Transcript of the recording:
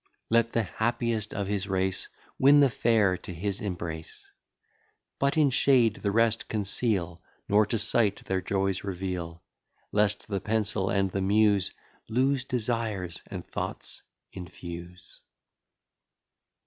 Let the happiest of his race Win the fair to his embrace. But in shade the rest conceal, Nor to sight their joys reveal, Lest the pencil and the Muse Loose desires and thoughts infuse.